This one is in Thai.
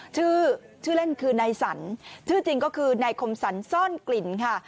ชื่อเล่นคือในสรรชื่อจริงก็คือในคมสรรซ่อนกลิ่นค่ะ